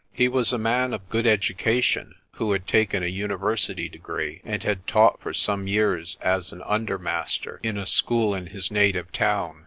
He was a man of good education, who had taken a university degree, and had taught for some years as an under master in a school in his native town.